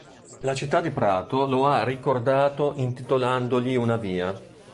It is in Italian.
La città di Prato lo ha ricordato intitolandogli una via.